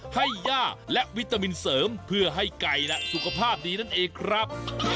ให้ย่าและวิตามินเสริมเพื่อให้ไก่สุขภาพดีนั่นเองครับ